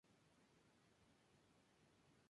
Presenta sin piedad su decadencia física.